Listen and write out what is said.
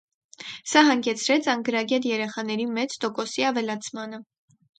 Սա հանգեցրեց անգրագետ երեխաների մեծ տոկոսի ավելացմանը։